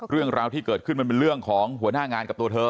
เรื่องราวที่เกิดขึ้นมันเป็นเรื่องของหัวหน้างานกับตัวเธอ